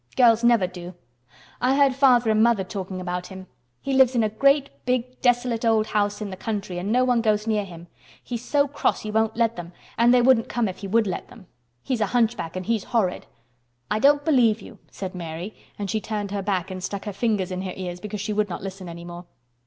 Girls never do. I heard father and mother talking about him. He lives in a great, big, desolate old house in the country and no one goes near him. He's so cross he won't let them, and they wouldn't come if he would let them. He's a hunchback, and he's horrid." "I don't believe you," said Mary; and she turned her back and stuck her fingers in her ears, because she would not listen any more.